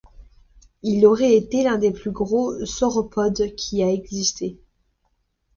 Il aurait été l'un des plus gros sauropodes qui a existé.